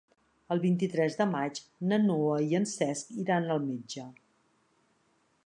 El vint-i-tres de maig na Noa i en Cesc iran al metge.